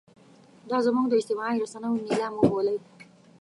دا زموږ د اجتماعي رسنیو نیلام وبولئ.